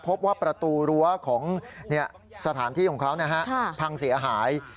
พบว่าประตูรั้วของสถานที่ของเขาพังเสียหาย